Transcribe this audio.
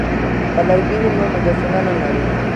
که لرګی وي نو مجسمه نه نړیږي.